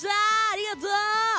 ありがとう！